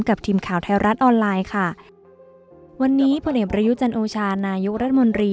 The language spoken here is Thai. กับทีมข่าวไทยรัฐออนไลน์ค่ะวันนี้พลเอกประยุจันโอชานายกรัฐมนตรี